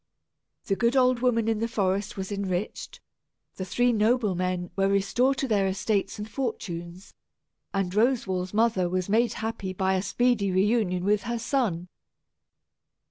The good old woman in the forest was enriched, the three noblemen were restored to their estates and fortunes, and Roswal's mother was made happy by a speedy reunion with her son.